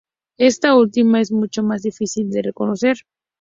Esta última es mucho más difícil de reconocer.